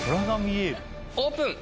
オープン！